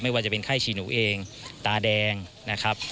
ว่าจะเป็นไข้ฉี่หนูเองตาแดงนะครับ